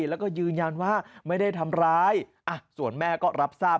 แล้วก็ยืนยันว่าไม่ได้ทำร้ายส่วนแม่ก็รับทราบ